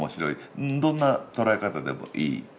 どんな捉え方でもいい。